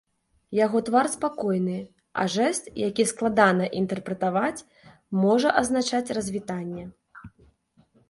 Яго твар спакойны, а жэст, які складана інтэрпрэтаваць, можа азначаць развітанне.